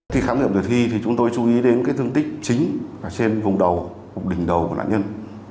khi khám nghiệm tử thi thì chúng tôi chú ý đến cái thương tích chính là trên vùng đầu vùng đỉnh đầu của nạn nhân